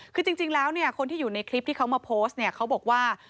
คือจริงแล้วคนที่อยู่ในคลิปเลยมาดูแล